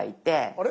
あれ？